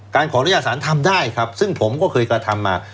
ขออนุญาตสารทำได้ครับซึ่งผมก็เคยกระทำมา